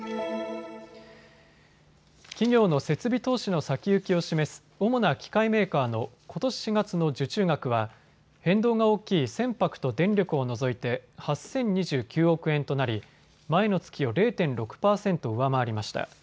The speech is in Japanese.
企業の設備投資の先行きを示す主な機械メーカーのことし４月の受注額は変動が大きい船舶と電力を除いて８０２９億円となり、前の月を０．６％上回りました。